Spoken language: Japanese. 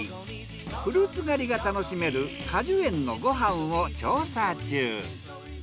フルーツ狩りが楽しめる果樹園のご飯を調査中。